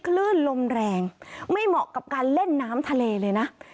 คลื่นลมแรงไม่เหมาะกับการเล่นน้ำทะเลเลยนะ